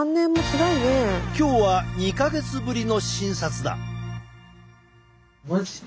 今日は２か月ぶりの診察だ。